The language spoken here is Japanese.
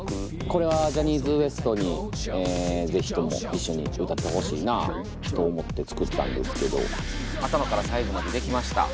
これはジャニーズＷＥＳＴに是非とも一緒に歌ってほしいなと思って作ったんですけど頭から最後まで出来ました。